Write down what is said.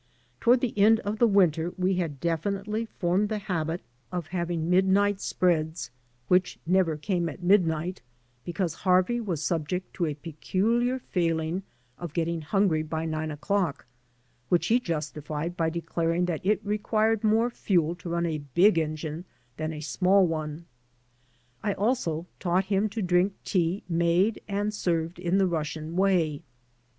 Toward the end of the winter we had definitely formed the habit of having midnight 250 HARVEY spreads, which never came at midnight, because Haj^ey was subject to a peculiar failing of getting hungry by nine o'clock, which he justified by declaring that it required more fuel to run a big engine than a smaU one, I also taught him to drink tea made and served in the Russian way.